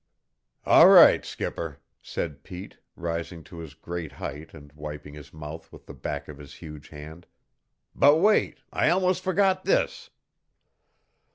"All right, skipper," said Pete, rising to his great height and wiping his mouth with the back of his huge hand. "But wait! I almost fergot this!"